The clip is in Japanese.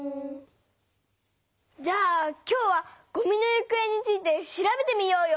じゃあ今日は「ごみのゆくえ」について調べてみようよ！